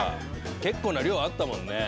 結構な量あったもんね。